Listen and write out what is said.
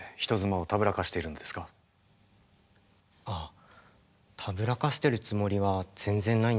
あたぶらかしているつもりは全然ないんですけどね。